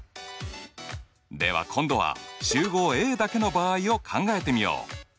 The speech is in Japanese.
では今度は集合Ａだけの場合を考えてみよう。